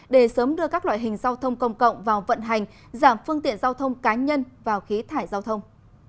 để sớm đưa các loại hình giao thông công cộng vào vận hành giảm phương tiện giao thông cá nhân vào khí thải giao thông